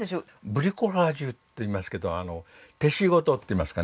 ブリコラージュっていいますけど手仕事っていいますかね。